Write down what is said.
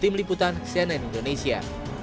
tim liputan cnn indonesia